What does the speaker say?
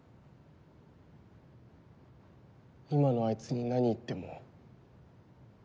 今のあいつに何言っても。